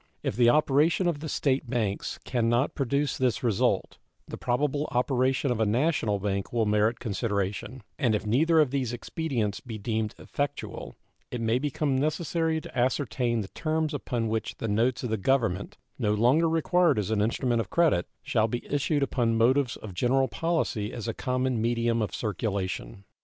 If the operation of the State banks can not produce this result, the probable operation of a national bank will merit consideration; and if neither of these expedients be deemed effectual it may become necessary to ascertain the terms upon which the notes of the Government (no longer required as an instrument of credit) shall be issued upon motives of general policy as a common medium of circulation.